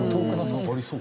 ありそう。